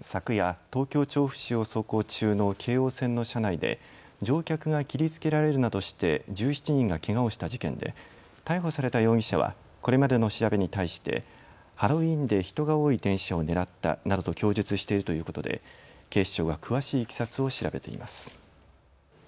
昨夜、東京、調布市を走行中の京王線の車内で乗客が切りつけられるなどして１７人がけがをした事件で逮捕された容疑者はこれまでの調べに対してハロウィーンで人が多い電車を狙ったなどと供述しているということで警視庁は詳しいいきさつを調べています。